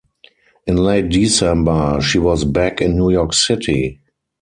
In late December, she was back in New York City.